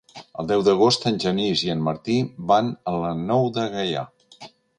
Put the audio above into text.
El deu d'agost en Genís i en Martí van a la Nou de Gaià.